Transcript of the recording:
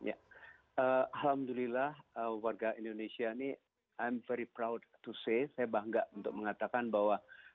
alhamdulillah warga indonesia ini im very prote to say saya bangga untuk mengatakan bahwa